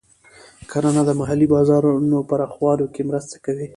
کرنه د محلي بازارونو پراخولو کې مرسته کوي.